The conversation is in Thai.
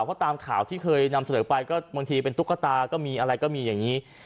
เพราะตามข่าวที่เคยนำเสนอไปก็บางทีเป็นตุ๊กตาก็มีอะไรก็มีอย่างนี้